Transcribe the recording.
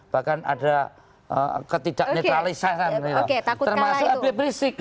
bahkan ada ketidaknetralisasi termasuk abbistrik